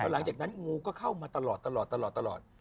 แล้วหลังจากนั้นงูก็เข้ามาตลอดตลอด